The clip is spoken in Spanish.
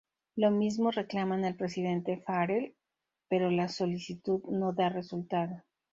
Lo mismo reclaman al presidente Farrell, pero la solicitud no da resultado.